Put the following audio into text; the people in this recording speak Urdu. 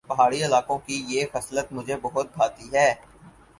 پہاڑی علاقوں کی یہ خصلت مجھے بہت بھاتی ہے